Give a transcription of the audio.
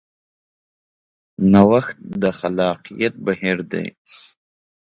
نوښت د خلاقیت بهیر دی.